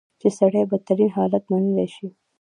چې سړی بدترین حالت منلی شي.